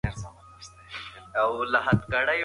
د وېروس خپرېدل یوازې په یووالي او همکارۍ سره درېدلی شي.